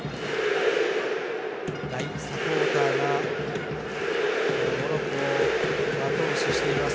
大サポーターがモロッコをあと押ししています。